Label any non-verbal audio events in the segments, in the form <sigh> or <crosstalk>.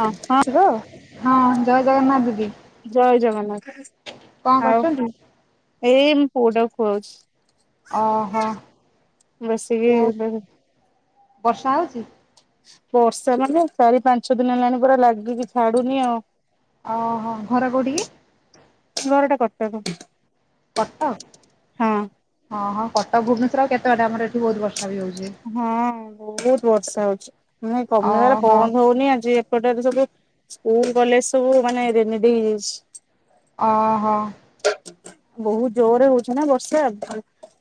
ହଁ କୁହନ୍ତୁ? ହଁ ଜୟ ଜଗନ୍ନାଥ ଦିଦି? ଜୟ ଜଗନ୍ନାଥ କଣ ଆଉ କରୁଛନ୍ତି? ଏଇ ମୁଁ ପୁଅଟାକୁ ଖୁଆଉଛି। ଓହୋ ବସିକି ଓ ବର୍ଷା ହଉଛି? ବର୍ଷା ମାନେ ଚାରି ପାଞ୍ଚ ଦିନ ହେଲାଣି ପୁରା ଲାଗିକି ଛାଡୁନି ଆଉ। ଓହୋ ଘର କୋଉଠି କି? ଘରଟା କୋଉଠି <unintelligible> କଟକ ହଁ ହଁ କଟକ ଭୁବନେଶ୍ୱର ଆଉ କେତେ ବାଟ ଆମର ଏଠି ବହୁତ ବର୍ଷା ବି ହଉଛି। ହଁ ବହୁତ ବର୍ଷା ହଉଛି ମାନେ କମିବାର ଓହୋ ବନ୍ଦ ହଉନି ଆଜି ହଟାତ୍ ସବୁ ସ୍କୁଲ୍ କଲେଜ୍ ସବୁ ମାନେ ରେନି ଡେ ହେଇଯାଇଚି। ଆହା। ବହୁତ୍ ଜୋରରେ ହଉଚି ନା ବର୍ଷା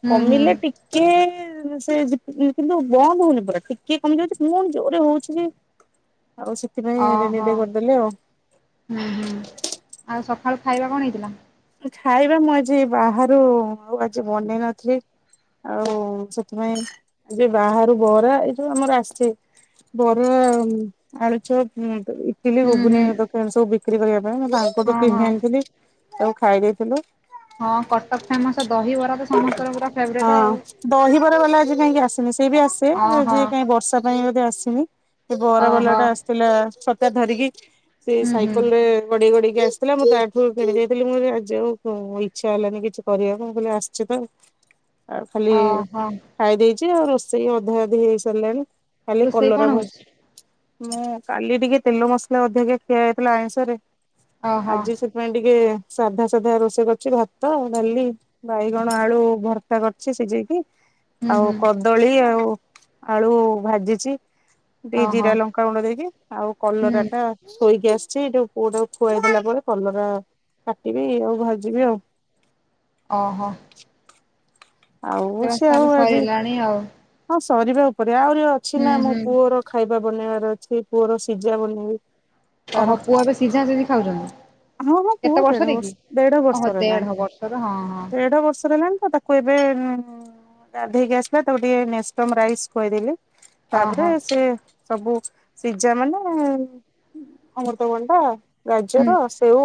ହୁଁ ହୁଁ କମିଲେ ଟି ଟିକେ ସେ କିନ୍ତୁ ବନ୍ଦ ହଉନି ପୁରା ଟିକେ କମିଯାଉଚି ପୁଣି ଜୋରେ ହଉଚି ଯେ ଆଉ ସେ ଓହୋ ହୁଁ-ହୁଁ ଆଉ ସଖାଳୁ ଖାଇବା କଣ ହେଇଥିଲା? ଖାଇବା ମୁଁ ଆଜି ବାହାରୁ ଆଉ ଆଜି ବନେଇ ନଥିଲି। ଆଉ ସେଥିପାଇଁ ଆଜି ବାହାରୁ ବରା ଏଇ ଯଉ ଆମର ଆସିଚି ବରା, ଆଳୁଚପ୍, ଇ ଟିଲି, ହୁଁ ହୁଁ ଗୁଗୁନି ଦୋକାନ ସବୁ ବିକ୍ରି କରିବା ପାଇଁ ମୁ ହଁ ତାଙ୍କଠୁ ହଁ କିଣି ଆଣିଥିଲି ସବୁ ଖାଇ ଦେଇଥିଲୁ। ହଁ କଟକ୍ ଫେମସ୍ ଦହିବରା ତ ସମସ୍ତଙ୍କ ପୁରା ଫେବ୍ରେଟ୍। ହଁ ଦହିବରା ବାଲା ଆଜି କାହିଁକି ଆସି ନି ସେ ବି ଆସେ ଓହୋ ଏଯାଏ ବର୍ଷ ସା ପାଇଁ ବୋଧେ ଆସନି, ସେ ବରାବାଲା ଓହୋ ଟା ଆସିଥିଲା ଛତା ଧରିକି ସେ ହୁଁ ହୁଁ ସାଇକେଲ୍ ରେ ଗଡେଇ-ଗଡେଇ କି ଆସିଥିଲା ମୁଁ ତାଠୁ କିଣିଦେଇ ଥିଲି ମୋ ଆଜି ଆଉ ଇଚ୍ଛା ହେଲାନି କିଛି କରିବାକୁ ମୁଁ କହିଲି ଆସିଚି ତ ଆଉ। ଆଉ ଖାଲି ଓହୋ ଖାଇ ଦେଇଛି ଆଉ ରୋଷେଇ ଅଧା ଅଧି ହେଇସାରିଲାଣି। ଖାଲି ରୋଷେଇ କଲରା କଣ ଭସ୍ ହଉଛି? ମୁଁ କାଲି ଟିକେ ତେଲ ମସଲା ଅଧିକ ଖିଆ ହୋଇଥିଲା ଆଇଁଷରେ, ଓହୋ ଆଜି ସେ <unintelligible> ଟିକେ ସାଧା-ସାଧା ରୋଷେଇ କରିଚି ଭାତ, ଡାଲି, ବାଇଗଣ ଆଳୁ ଭର୍ତା କରିଚି ସିଜେଇକି ହୁଁ ଆଉ ହୁଁ କଦଳୀ ଆଉ ଆଳୁ ଭାଜିଚି। ଟିକେ ଓହୋ ଜିରା ଲଙ୍କା ଗୁଣ୍ଡ ଦେଇକି ଆଉ ହୁଁ। କଲରା ଟା ଥୋଇକି ଆସିଛି, ଏଇଟା ପୁଅଟାକୁ ଖୁଆଇ ଦେଲା ପରେ କଲରା କାଟିବି ଆଉ ଭାଜିବି ଆଉ। ଓହୋ। ଆଉ ରୋଷେଇବାସ ସେ ଆଉ ତାହେଲେ ଆଜି ସରିଲାଣି ଆଉ ହଁ ସରିବା ଉପରେ, ଆହୁରି ଅଛି ନା ହୁଁ ମୋ ହୁଁ ପୁଅର ଖାଇବା ବନେଇବାର ଅଛି, ପୁଅର ସିଜା ବନେଇବି। ତାର ଓହୋ ପୁଅ ଏବେ ସିଝା ସିଝି ଖାଉଚନ୍ତି। ହଁ ହଁ ପୁଅ କେତେ ଦେଢ ବର୍ଷର ବର୍ଷ କି ଦେଢ ଓହୋ ବର୍ଷର ହେଲାଣି ଦେଢ ବର୍ଷର ହଁ-ହଁ। ଦେଢ ବର୍ଷର ହେଲାଣି ତ ତାକୁ ଏବେ ଗାଧେଇକି ଆସିଲା ତାକୁ ଟିକେ ନେଷ୍ଟମ ରାଇସ୍ ଖୁଆଇଦେଲି। ତାପରେ ଓହୋ ସେ ସବୁ ସିଜା ମାନେ ଅମୃତଭଣ୍ଡା, ହୁଁ ଗାଜର, ସେଉ,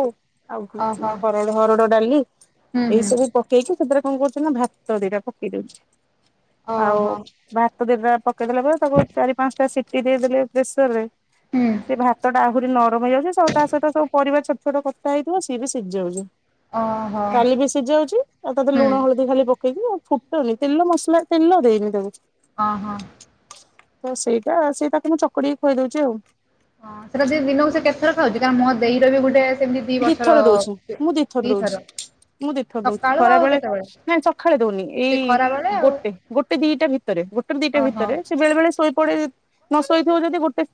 ଆଉ ଓହୋ ହର ହରଡ ଡାଲି ହୁଁ ଏଇ ହୁଁ ସବୁ ପକେଇକି ସେଥିରେ କଣ କରୁଛି ନା ଭାତ ଦିଟା ପକେଇ ଦଉଚି। ଆଉ ଓହୋ ଭାତ ଦିଇଟା ପକେଇ ଦେଲାପରେ ତାକୁ ଚାରି ପାଞ୍ଚଟା ସିଟିି ଦେଇଦେଲେ ପ୍ରେସରରେ ହୁଁ ସେ ଭାତଟା ଆହୁରି ନରମ ହେଇଯାଉଛି, ସ ତା ସହିତ ସବୁ ପରିବା ଛୋଟ-ଛୋଟ କଥା ହେଇଥିବ ସିଏ ବି ସିଝି ଯାଉଛି। ଓହୋ ଡାଲି ବି ସିଝିଯାଉଚି ଆଉ ତାଧେରେ ହୁଁ ଲୁଣ ହଳଦୀ ଖାଲି ପ ପକେଇକି ଆଉ ଫୁଟୁନି ତେଲ ମସଲା ତେଲ ଦେଇନି ତାକୁ। ହଁ-ହଁ। ତ ସେଇଟା-ସେଇଟାକୁ ମୁଁ ଚକଟିକି ଖୁଆଇ ଦଉଚି ଆଉ। ହଁ ସେଇଟା <unintelligible> ଦିନକୁ ସେ କେତେଥର ଖାଉଚି କାରଣ ମୋ ଦେଇର ବି ଗୋଟେ ସେମିତି ଦି ବର୍ଷର, ଦିଥର ଦଉଛି ମୁଁ ଦଉଛି। ଦିଥର ମୁଁ ଦିଥର ଦଉଚି ସକାଳୁ ଆଉ ଖରାବେଳେ କେତେବେଳେ ନାଇଁ ସକାଳେ ଦଉନି, ସେ ଏଇ ଖରା ବେଳେ ଆଉ ଗୋଟେ-ଗୋଟେ ଦିଟା ଭିତ ଭିତରେ ଗୋଟେ ରୁ ଦିଟା ଓହୋ ଭିତରେ, ସେ ବେଳେ-ବେଳେ ଶୋଇପଡେ ନ ଶୋଇଥିବ ଯଦି ଗୋଟେ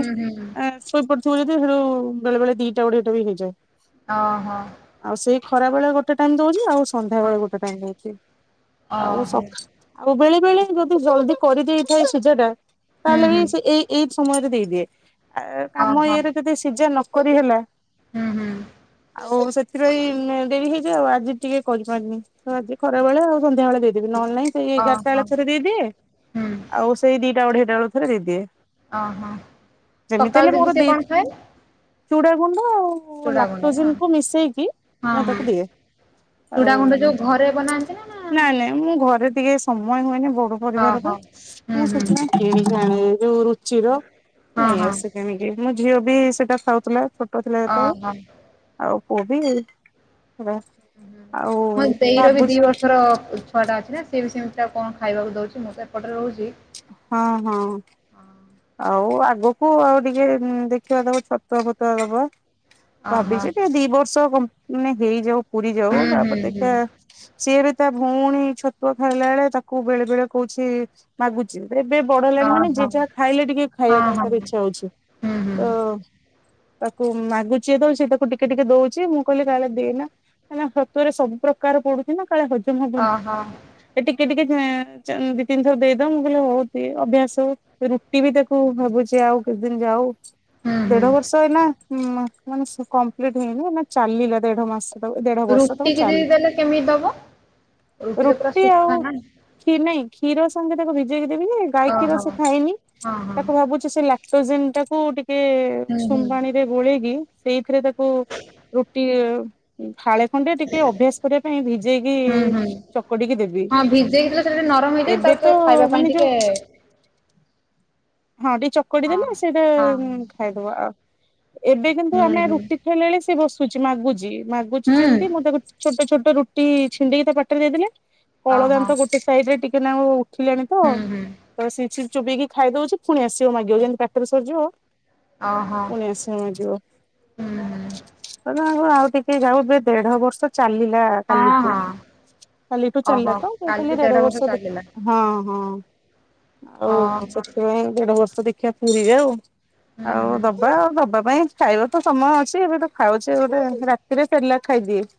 ହୁଁ-ହୁଁ। <unintelligible> ହେଟୁ ବେଳେ-ବେଳେ ଦିଟା ଅଢ଼େଇଟା ବି ହେଇଯାଏ। ଓହୋ। ଆଉ ସେଇ ଖରାବେଳେ ଗୋଟେ ଟାଇମ୍ ଦଉଚି ଆଉ ହଁ ସନ୍ଧ୍ୟାବେଳେ ଗୋଟେ ଟାଇମ୍ ଦଉଚି, ଆଉ ଓହୋ ସଖା ଆଉ ବେଳେ ବେଳେ ଯଦି ଜଲଦି କରିଦେଇଥାଏ ସିଝା ଟା, ହୁଁ ତାହେଲେ ହୁଁ ବି ସେ ଏଇ ଏଇ ସମୟରେ ଦେଇଦିଏ, ଆ କାମ ଓହୋ ଇଏରେ ଯଦି ସିଝା ନକରି ହେଲା ହୁଁ ହୁଁ ଆଉ ସେଥିରେ ଏଇ <unintelligible> ହେଇ ଆଉ ଆଜି ଟିକେ କରିପାରିନି, ଆଜି ଖରା ବେଳେ ଆଉ ସନ୍ଧ୍ୟା ବେଳେ ଦେଇଦେବି, ନହେଲେ ନାଇଁ ସେଇ ଏଗାରଟା ଓହୋ ବେଳେ ଥରେ ଦେଇଦିଏ, ହୁଁ ଆଉ ସେଇ ଦିଟା ଅଢେଇଟା ବେଳେ ଥରେ ଦେଇଦିଏ। ଓହୋ, ସକାଳୁ ଦିଦି ସେ କଣ ଖାଏ? ଚୁଡ଼ା ଗୁଣ୍ଡ ଆଉ ଚୁଡ଼ାଗୁଣ୍ଡ ନା ଲାକ୍ଟୋଜିନ୍ ହଁ କୁ ମିଶେଇକି ମୁଁ ତାକୁ ଦିଏ। ଚୁଡା ଗୁଣ୍ଡ ଆଉ ଯୋଉ ଘରେ ବନାନ୍ତି ନା, ନା ନାଇଁ ନାଇଁ ମୁଁ ଘରେ ଟିକେ ସମୟ ହୁଏନି, ବଡ ପରିବାର ତ, ଓହୋ ହୁଁ ମୁଁ ହୁଁ ସେଥିପାଇଁ କିଣିକି ଆଣେ ଯୋଉ ରୁଚିର ହଁ ନେଇ ହଁ ଆସେ କିଣିକି, ମୋ ଝିଅ ବି ସେଇଟା ଖାଉଥିଲା। ଛୋଟ ଥିଲା ଯେତବେଳେ, ଓହୋ ଆଉ ପୁଅବି ପୁରା ହଁ, ମୋ ଦେଇର ବି ଦି ବର୍ଷର ଛୁଆଟା ଅଛି ନା, ସିଏ ବି ସେମିତି ତାକୁ କଣ ଖାଇବାକୁ ଦଉଛି, ମୁଁ ତ ଏପଟରେ ରହୁଛି। ହଁ ହଁ। ହଁ। ଆଉ ଆଗକୁ ଆଉ ଟିକେ ଦେଖିବା ତାକୁ ଛତୁଆ ଫତୁଆ ଦବା। ଓହୋ ଭାବିଛି ଟିକେ ଦି ବର୍ଷ ମାନେ ହେଇଯାଉ, ପୁରି ଯାଉ, ହୁଁ ହୁଁ ତାପରେ ହୁଁ ଦେଖିବା ସିଏ ବି ତା ଭଉଣୀ ଛତୁଆ ଖାଇଲା ବେଳେ, ତାକୁ ବେଳେ ବେଳେ କହୁଛି ମାଗୁଛି, ଏବେ ବଡ ହେଲାଣି ମାନେ ଓହୋ ଯେ ଯାହା ଖାଇଲେ ଟିକେ ଖାଇବା ହଁ ପାଇଁ ହଁ ତାର ଇଛା ହଉଛି। ହୁଁ ହୁଁ ତ ତାକୁ ମାଗୁଛି ଯେତେବେଳେ ସେ ତାକୁ ଟିକେ ଟିକେ ଦଉଛି, ମୁଁ କହିଲି କାଳେ ଦେଇନା ମାନେ ଛତୁଆରେ ସବୁ ପ୍ରକାର ପଡୁଛି ନା କାଳେ ହଜମ ହବନି। ଓହୋ ଏ ଟିକେ ଟିକେ ଦି ତିନି ଥର ଦେଇଦଉ ମୁଁ କହିଲି ହଉ ଦେ ଅଭ୍ୟାସ ହଉ। ରୁଟି ବି ତାକୁ ଭାବୁଛି ଆଉ କେତେ ଦିନ ଯାଉ ହୁଁ ହୁଁ ଦେଢ ବର୍ଷ ଏଇନା ହୁଁ ମାନେ କମ୍ପ୍ଲିଟ ହେଇନି ଏଇନା ଚାଲିଲା ଦେଢ ମାସ। ଦେଢ ବର୍ଷ ରୁଟି ତାକୁ କି ଚାଲୁ ଯଦି ଦେଲେ କେମିତି ଦବ? ତ ପୁରା ରୁଟି ଆଉ ଶୁଖା ନା କ୍ଷୀ ନାଇଁ କ୍ଷୀର ସଙ୍ଗେ ତାକୁ ଭିଜେଇକି ଦେବିନି ଗାଈ କ୍ଷୀର ସେ ଓହୋ ଖାଇନି। ହଁ। ହଁ ତାକୁ ଭାବୁଛି ସେ ଲାକ୍ଟୋଜେନ ଟାକୁ ଟିକେ ହୁଁ ହୁଁ ଉଷୁମ ପାଣିରେ ଗୋଳେଇକି ସେଇଥିରେ ତା ହୁଁ ରୁଟି ଫାଳେ ଖଣ୍ଡେ ଟିକେ ଅଭ୍ୟାସ କରିବା ପାଇଁ ଭିଜେଇକି ହୁଁ ଚକଡିକି ଦେବି। ତ ସେଇଟା ଟିକେ ନରମ ହେଇଯାଏ ଏବେ ତାକୁ ତ ଟିକେ ଖାଇବା ପାଇଁ ମାନେ ଯୋଉ ଟିକେ ହଁ ଟିକେ ଚକଡି ହଁ ଦେଲେ ସେଇଟା ହଁ ଖାଇଦବ ଆଉ ଏବେ କିନ୍ତୁ ହୁଁ ଆମେ ହୁଁ ରୁଟି ଖାଇଲା ବେଳେ ସିଏ ବସୁଛି ମାଗୁଛି ମାଗୁଛି ହୁଁ ଯେମିତି ମୁଁ ତାକୁ ଛୋଟ ଛୋଟ ରୁଟି ଛିଣ୍ଡେଇକି ତା ପାଟିରେ ଦେଇଦେ ଲେ, ଓହୋ କଳଦାନ୍ତ ତ ଗୋଟେ ସାଇଡ ରେ ଟିକେ ନାଗୁ ଉଠିଲାଣିତ ହୁଁ ହୁଁ ତ ସେ ଚୋବେଇକି ଖାଇଦଉଛି ପୁଣି ଆସିବ ମାଗିବ ଯେମିତି ପାଟିରୁ ସରିଯିବ ଓହୋ ପୁଣି ଆସିବ ମାଗିବ। ହୁଁ ହୁଁ <unintelligible> ଆଉ ଟିକେ ଯାଉ ଏବେ ଦେଢ ବର୍ଷ ଚାଲିଲା। ହଁ କାଲିଠୁ ହଁ କାଲିଠୁ ଚାଲିଲା ଓହୋ ତ ମୁ କାଲିଠୁ କହିଲି ଦେଢ ବର୍ଷ ଦେ ଚାଲିଲା ହଁ ହଁ ଆଉ ଓହୋ ସେଥିପାଇଁ ଦେଢ ବର୍ଷ ଦେଖିବା ପୁୁରିଯାଉ ହୁଁ ଆଉ ହୁଁ ଦବା ଆଉ ଦବା ପାଇଁ ଖାଇବା ତ ସମୟ ଅଛି ଏବେ ତ ଖାଉଛି ଗୋଟେ ରାତିରେ ସେରେଲାକ ଖାଇଦିଏ।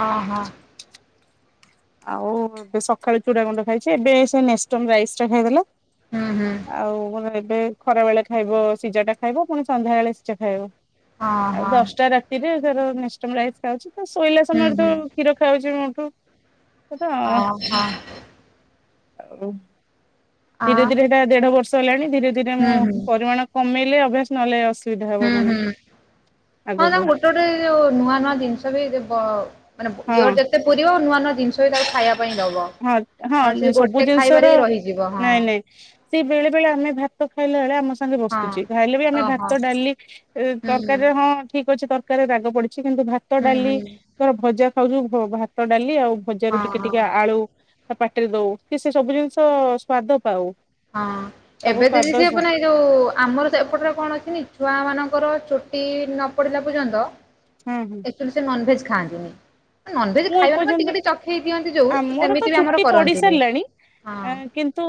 ଓହୋ। ଆଉ ଏବେ ସକାଳୁ ଚୁଡା ଗୁଣ୍ଡ ଖାଇଛି ଏବେ ସେ ନେଷ୍ଟମ ରାଇସ ଟା ଖାଇଦେଲା। ହୁଁ ହୁଁ। ଆଉ <unintelligible> ଏବେ ଖରା ବେଳେ ଖାଇବ ସିଝାଟା ଖାଇବ ପୁଣି ସନ୍ଧ୍ୟାବେଳେ ସିଝା ଖାଇବ। ଆଉ ଓହୋ ଦଶଟା ରାତିରେ ତାର ନେଷ୍ଟମ ରାଇସ୍ ଖାଉଛି। ଶୋଇଲା ହୁଁ ସମୟରେ ହୁଁ ତ କ୍ଷୀର ଖାଉଛି ମୋଠୁ। ତାକୁତ ଆଉ ଓହୋ ଆ ଧୀରେ ଧୀରେ ସେଇଟା ଦେଢ ବର୍ଷ ହେଲାଣି ଧୀରେ ଧୀରେ ମୁଁ ହୁଁ ହୁଁ ପରିମାଣ କମେଇଲେ ଅଭ୍ୟାସ ନହଲେ ଅସୁବିଧା। ହୁଁ ହବ ପୁଣି। ହୁଁ ହଁ ତା ଆଗକୁ ଗୋଟେ ଗୋଟେ ଯୋଉ ନୂଆ ନୂଆ ଜିନିଷ ବି କ ମାନେ ହଁ ଇଅର ଯେତେ ପୁରିବ ନୂଆ ନୂଆ ଜିନିଷ ବି ତାକୁ ଖାଇବା ପାଇଁ ଦବ। ହଁ ନହେଲେ ସେ ହଁ ସବୁ ଗୋଟେ ଜିନିଷ ର ଖାଇବାରେ ହିଁ ରହିଯିବ ହଁ ନାଇଁ ନାଇଁ ସିଏ ବେଳେ ବେଳେ ଆମେ ଭାତ ତ ଖାଇଲା ବେଳେ ଆମ ସାଙ୍ଗେ ହଁ। ବସୁଚି। ଖାଇଲେ ବି ଆମେ ଓହୋ ଭାତ ଡାଲି ହୁଁ ହୁଁ ତରକାରୀରେ ହଁ ଠିକ ଅଛି ତର କାରିରେ ରାଗ ପଡିଚି କିନ୍ତୁ ଭାତ ହୁଁ ଡାଲି ହୁଁ ତର ଭଜା ଖାଉଛୁ ଭାତ ଡାଲି ଆଉ। ଭଜାରୁ ହଁ ଟିକେ ହଁ ଟିକେ ଆଳୁ ତା ପାଟିରେ ଦଉ କି ସେ ସବୁ ଜିନିଷ ସ୍ଵାଦ ପାଉ। ହଁ ସବୁ ଏବେ ଦେଇଯିବ ସ୍ଵାଦ ସେ ଯା- ମାନେ ଯଉ ଆମର ଏପଟରେ କଣ ଅଛି ଛୁଆ ମାନଙ୍କର ଚୁଟି ନ ପଡିଲା ପର୍ଯ୍ୟନ୍ତ ହ। ତ ସେ ନନଭେଜ୍ ଖାଆନ୍ତିନି। ନନଭେଜ ମୁଁ ଖାଇବାନି ମାନେ ଏପର୍ଯ୍ୟନ୍ତ ଟିକେ ଟିକେ ଚଖେଇ ଦିଅନ୍ତି ଯୋଉ ଆମର ତ ସେମିତି ବି ଆମର ଚୁଟି କରନ୍ତିନି ହଁ। ତୁ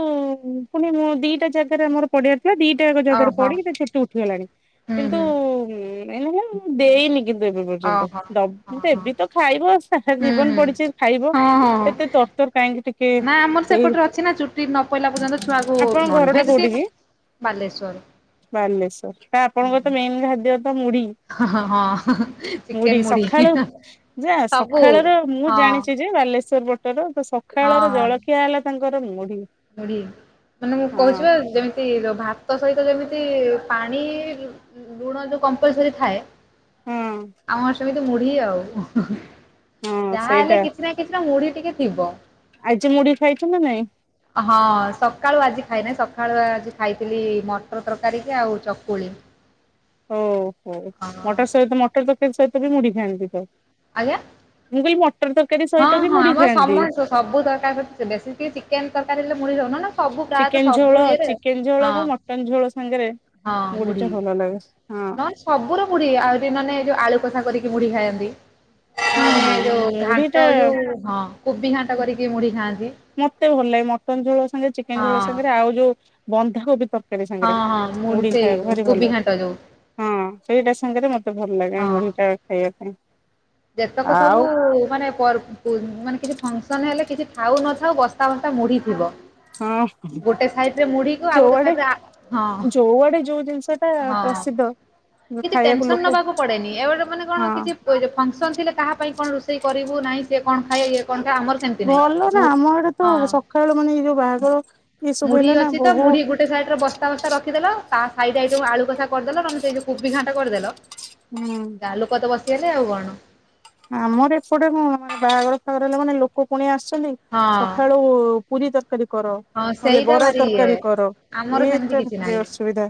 ପୁଣି ମୋ ଦିଟା ଜାଗାରେ ଆମର ପଡିଆ ଦିଟା ଏକ ଜାଗାରେ ଓହୋ ପଡି ସେ ଚୁଟି ଉଠିଗଲାଣି ହୁଁ କିନ୍ତୁ ହୁଁ ମେନ୍ ହେଲା ଦେଇନି କିନ୍ତୁ ଏବେ ପର୍ଯ୍ୟନ୍ତ। ଓହୋ ହଁ ହଁ। ଦେବି ତ ଖାଇବ ଆସ। ହୁଁ ସାରାଜୀବନ ହୁଁ ପଡିଚି ଖାଇବ ହଁ ହଁ। ଏତେ ତର ତର କାହିଁକି ଟିକେ ନା ଆମର ଏଇ ସେପଟରେ ଅଛି ନା ଚୁଟି ନପଇଲା ପର୍ଯ୍ୟନ୍ତ ଛୁଆକୁ ଆପଣଙ୍କ ଘର ଟା ନନଭେଜ ସିଏ କୋଉଠି କି ବାଲେସ୍ୱର। ବାଲେଶ୍ଵର ତା ଆପଣଙ୍କର ତ ମେନ ଖାଦ୍ୟ ତ ମୁଢି। ହଁ ହଁ ମୁଢ଼ି ଚିକେନ ମୁଢି ସକାଳୁ ଯା ସବୁ ସଖାଳର ମୁଁ ହଁ ଜାଣିଚି ଯେ ବାଲେଶ୍ୱର ପଟର ତ ସଖାଳର ଜଳଖିଆ ହେଲା ତାଙ୍କର ମୁଢି। ବଢ ମାନେ ମୁଁ ହଁ କହୁଚି ପା ଯେମି ତି ଭାତ ସହିତ ଯେମିତି ପାଣି ଲୁଣ ଯୋଉ କମ୍ପଲସରି ଥାଏ। ହଁ ଆମ ସେମିତି ମୁଢୀ ଆଉ ହଁ ଯାହା ହେଲେ ସେଇଟା କିଛି କିଛି ନା କିଛି ମୁଢି ଟିକେ ଥିବ। ଆଜି ମୁଢି ଖାଇଚୁ ନା ନାଇଁ। ହଁ ସକାଳୁ ଆଜି ଖାଇନହିଁ ସକାଳୁ ଆଜି ଖାଇଥିଲି ମଟର ତରକାରୀ କି ଆଉ ଚକୁଳି। ଓ ହୋ ହଁ ମଟର ସହିତ ମଟର ତରକାରି ସହିତ ବି ମୁଡ଼ି ଖାଆନ୍ତି ଥାନ୍ତି ତ। ଆଜ୍ଞା। ମୁଁ କହିଲି ମଟର ତରକାରୀ ହଁ ସହିତ ବି ହଁ ମୁଡି ଆମର ଖାଆନ୍ତି। ସମସ୍ତ ସବୁ ତରକାରି ସହିତ ବେଶୀ ଟିକେ ଚିକେନ ତରକାରୀ ହେଲେ ମୁଡି ଯାଉନ ନା। ସବୁ ପ୍ରାୟତଃ ଚିକେନ ସବୁ ଝୋଳ ଇଏରେ ଚିକେନ ହଁ ଝୋଳକୁ ମଟନ ଝୋଳ ସାଙ୍ଗରେ ମୁଢ଼ି ଟା ଭଲ ଲାଗେ। ହଁ। ନା ସବୁର ର ମୁଢି ଆଉ ମାନେ ଯୋଉ ଆଳୁ କସା କରିକି ମୁଢି ଖାଆନ୍ତି। ହଁ ଆମେ ହଁ ଯୋଉ ମୁଢି ଟା ଘାଣ୍ଟ ଯୋଉ ହଁ କୋବି ଘାଣ୍ଟ କରିକି ମୁଢି ଖାଆନ୍ତି। ମତେ ଭଲ ଲାଗେ ମଟନ୍ ଝୋଳ ସାଙ୍ଗରେ ଚିକେନ ଝୋଳ ହଁ ସାଙ୍ଗରେ ଆଉ ଯୋଉ ବନ୍ଧାକୋବି ତରକାରୀ ତରକାରୀ ହଁ ସାଙ୍ଗରେ ହଁ ମୁଢି ମୁଡି ସେଇ ଖାଇବାକୁ ଭାରି ଭଲ କୋବି ଘାଣ୍ଟ ଯୋଉ ଲାଗେ। ହଁ ସେଇଟା ସାଙ୍ଗରେ ମତେ ଭଲ ଲାଗେ ମୁଢି ଟା ଖାଇବା ପାଇଁ। ଯେତେକ ଆଉ ସବୁ ମାନେ ପର ପୁର୍ ମାନେ କିଛି ଫଙ୍କସନ ହେଲେ କିଛି ଥାଉ ନଥାଉ ବସ୍ତା ବସ୍ତା ମୁଡି ଥିବ। ହଁ ଗୋଟେ ସାଇଡ ରେ ମୁଢିକୁ ଆଉ ଗୋଟେ ଯୋଆଡେ ସାଇଡ ରେ ହଁ ଯୋଆଡେ ଯୋଉ ଜିନିଷ। ଟା ହଁ। ପ୍ରସିଦ୍ଧ। କିଛି ଖାଇବାକୁ ଟେନସନ ଲୋକ ନବାକୁ ପଡେନି ଏବେ ମାନେ କଣ ହଁ କିଛି ଫୁଙ୍କସନ ଥିଲେ କାହା ପାଇଁ କଣ ରୋଷେଇ କରିବୁ ନାହିଁ ଏ କଣ ଖାଏ ଇଏ କଣ ଖାଏ ଆମର ସେମିତି ନାହିଁ ଭଲ ନା ମୁଁ ଆମ ଆଡେ ତ ହଁ ସକାଳଳୁ ମାନେ ଏଇ ଯୋଉ ବାହାଘର ଏଇ ସବୁ ହେଲା ନା ବହୁ ସାଇଡ ର ବସ୍ତା ବସ୍ତା ରଖିଦେଲ ତା ସାଇଡ ଆଇଟମ ଆଳୁ କଷା କରିଦେଲ ନହେ ସେଇ କୋବି ଘାଣ୍ଟ କରିଦେଲ ହୁଁ। କର ତ ବସିଗଲେ ଆଉ କଣ। ଆମର ଏପଟେ କଣ ବାହାଘର ଫାହାଗର ହେଲା ମାନେ ଲୋକ ପୁଣି ଆସୁଛନ୍ତି। ହଁ ସକାଳୁ ପୁରୀ ତରକାରୀ କର। ହଁ ନହେଲେ ସେଇଟା ବରା ଭାରି ଇଏ ତରକାରୀ କର, ଆମର ସେମିତି ଏଇଟା କିଛି ଭାରି ନାହିଁ ଅସୁବିଧା।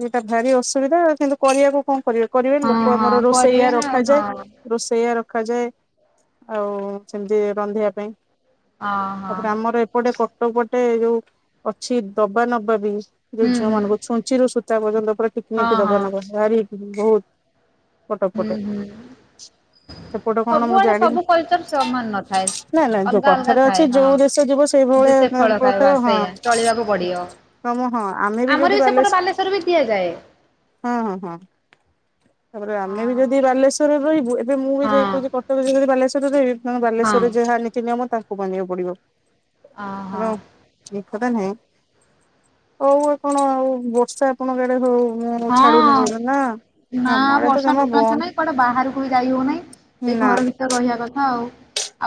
ଏଇଟା ଭାରି ଅସୁବିଧା କିନ୍ତୁ କରିବାକୁ କଣ କରିବେ କରିବେ ହଁ ଲୋକ ହଁ ଆମର କରିବେ ରୋଷେଇଆ ନା ରଖାଯାଏ। ହଁ ରୋଷେଇଆ ରଖାଯାଏ ଆଉ ସେମିତି ରନ୍ଧିବା ପାଇଁ। ହଁ ହଁ ତାପରେ ଆମର ଏପଟେ କଟପଟେ ଯୋଉ ଅଛି ଦବା ନବା ବି। ହୁଁ ଯୋଉ ଝିଅ ହୁଁ ମାନଙ୍କୁ ଛୁଞ୍ଚି ରରୁ ସୂତା ପର୍ଯ୍ୟନ୍ତ ପୁରା ହଁ ଟିକିକି ହଁ ଦବ ନ ବହୁତ। କଟକ ହୁଁ ପଟେ। ହୁଁ ସେପଟେ କଣ ସବୁଆଡେ ସବୁ କଲଚର ସମାନ ନଥାଏ। ନାଇଁ ନାଇଁ ଯୋଉ ଅଲଗା ଅଲଗା କଥାରେ ଥାଏ ଅଛି ହଁ ଯୋଉ ଦେଶ ଯିବ ଯେ ସେ ଫଳ ଖାଇବା ସେଇଭଳିଳିଆ <inaudible> ହଁ। ସେଇଆ ଚଳିବାକୁ ପଡିବ। ହମ ହଁ ଆମେ ବି ଆମର ଯଦି ସେପଟ ବାଲ ବାଲେଶ୍ଵର ବି ଦିଆଯାଏ। ହଁ ହଁ ହଁ। ତାପରେ ଆମେ ବି ହଁ ଯଦି ବାଲେଶ୍ୱରରେ ରହିବୁ ଏବେ ମୁଁ ବି ଯାଇ କହୁଛି ହଁ କଟକ ଯଦି ବାଲେଶ୍ୱରରେ ରହିବି। ବାଲେଶ୍ୱରରେ ଯାହା ନୀତି ନିୟମ ତାହାକୁ ବାନ୍ଧିବାକୁ ପଡିବ। ଓହୋ ଏ କଥା ନାହିଁ ହଉ କଣ ଆଉ ବର୍ଷା ଆପଣଙ୍କ ଆଡେ ହଉ। ମୁଁ ଛାଡୁନି ହଁ କୋ ନା। ନା ଆମ ଆଡେ ତ ବର୍ଷା ଜମା ଟୋଟାଳି ବନ୍ଦ ଛାଡ଼ୁନାହିଁ କୁଆଡେ ବାହାରକୁ ବି ଯାଇ ହଉନାହିଁ ସେ ନା ଘର ଭି ରହିବା କଥା ଆଉ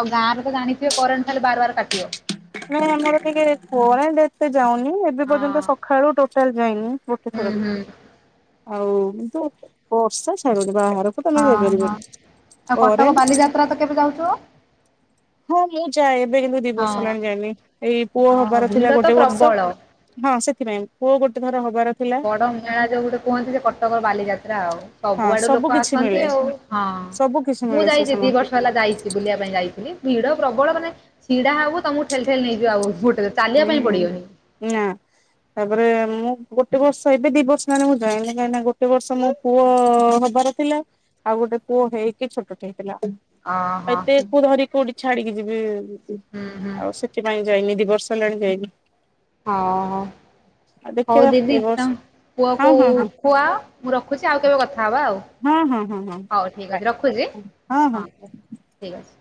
ଆଉ ଗାଁରେ ତ ଜାଣିଥିବେ କରେଣ୍ଟ ଖାଲି ବାର ବାର କାଟିବ। ନାଇଁ ଆମର ଟିକେ କୋରେଣ୍ଟ ଏତେ ଯାଉନି। ଏ ହଁ ପର୍ଯ୍ୟନ୍ତ ସକାଳୁ ଟୋଟାଲି ଯାଇନି ଗୋଟେ ହୁଁ ଥର ବି। ହୁଁ। ଆଉ କିନ୍ତୁ ବର୍ଷା ଛାଡୁନି ବାହାରକୁ ଟୋଟାଳି ଓହୋ ଯାଇପାରିବନି ଆଉ କଟକ କରେଣ୍ଟ ବାଲିଯାତ୍ରା ତ କେବେ ଯାଉଥିବ? ହଁ ମୁଁ ଯାଏ ଏବେ କିନ୍ତୁ ଦି ବର୍ଷ ହେଲାଣି ଯାଏନି ଏଇ ପୁଅ ହଁ ହବାର ଭିଡ ଥିଲା ତ ଗୋଟେ ବର୍ଷ। ପ୍ରବଳ ହଁ ସେଥିପାଇଁ ପୁଅ ଗୋଟେ ଥର ହବାର ଥିଲା ବଡ ମେଳା ଯୋଉ ଗୋଟେ କୁହନ୍ତି ସେ କଟକର ବାଲିଯାତ୍ରା ଆଉ। ହଁ ସବୁଆଡୁ ସବୁ ଲୋକ କିଛି ମିଳେ ଆସନ୍ତି ଆଉ ହଁ। ସବୁ କିଛି ମୁଁ ମିଳେ ସେ ଯାଇଛି ଦି ସମମାନ <unintelligible> ବର୍ଷ ହେଲା ଯାଇଛି ବୁଲିବା ପାଇଁ ଯାଇଥିଲି ଭିଡ ପ୍ରବଳ ମାନେ ଛିଡା ହବ ତମକୁ ଠେଲି ଠେଲି ନେଇଯିବ ଆଉ ଗୋଟେ। ଚାଲିବା ପାଇଁ ହୁଁ ପଡିବନି ନା। ତାପରେ ମୁଁ ଗୋଟେ ବର୍ଷ ଏବେ ଦି ବର୍ଷ ମାନେ ମୁଁ ଯାଏନି କାହିଁକି ନା ଗୋଟେ ବର୍ଷ ମୁଁ। ପୁଅ ହବାର ଥିଲା ଆଉ ଗୋଟେ ପୁଅ ହେଇକି ଛୋଟ ହେଇଥିଲା। ଅହ ଏତେ କୁ ଧରିକି କୋଉଠି ଛାଡିକି ଯିବି। ହୁଁ ହୁଁ। ସେଥିପାଇ ଯାଇନି ଦି ବର୍ଷ ହେଲାଣି ଯାଇନି। ଅ ହଁ। ଆଉ ହଉ ଦେଖିବା ଦିଦି ଏ ବର୍ଷ ତମ ହଁ ପୁଅକୁ ହଁ ହଁ ଖୁଆ ମୁଁ ରଖୁଛି ଆଉ କେବେ କଥା ହବା ଆଉ। ହଁ ହଁ ହଁ ହଁ ହଉ ଠିକ୍ ବାଏ ଅଛି ରଖୁଛି ହଁ ହଁ। ଠିକ୍ ଅଛି।